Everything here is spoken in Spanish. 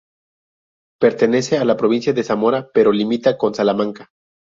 Pertenece a la provincia de Zamora pero limita con Salamanca.